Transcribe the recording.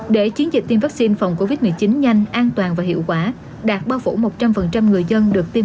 để chiến dịch tiêm vaccine phòng covid một mươi chín nhanh an toàn và hiệu quả đạt bao phủ một trăm linh người dân được tiêm